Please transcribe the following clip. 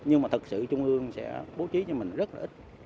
nhưng mà thật sự trung ương sẽ bố trí cho mình rất là ít